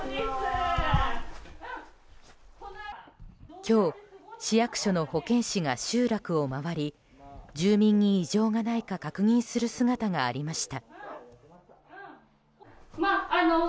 今日、市役所の保健師が集落を回り住民に異常がないか確認する姿がありました。